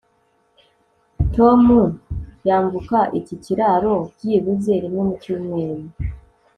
tom yambuka iki kiraro byibuze rimwe mu cyumweru